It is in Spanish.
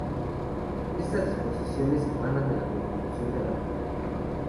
Estas disposiciones emanan de la Constitución de la República.